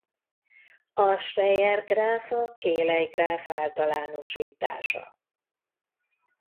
A Schreier-gráf a Cayley-gráf általánosítása.